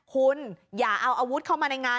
คุณอย่าเอาอาวุธเข้ามาในงาน